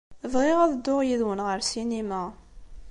Bɣiɣ ad dduɣ yid-wen ɣer ssinima.